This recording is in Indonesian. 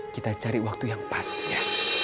kita cari waktu yang pas ya